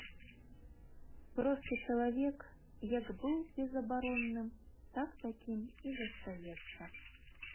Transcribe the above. Просты чалавек як быў безабаронным, так такім і застаецца.